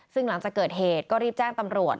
ซึ่งหลังจากเกิดเหตุก็รีบแจ้งตำรวจ